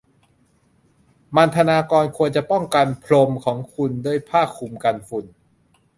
มัณฑนากรควรจะป้องกันพรมของคุณด้วยผ้าคลุมกันฝุ่น